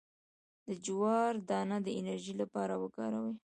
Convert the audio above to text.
د جوار دانه د انرژي لپاره وکاروئ